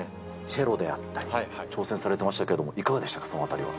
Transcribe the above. チェロであったり、挑戦されてましたけど、いかがでしたか、そのあたりは。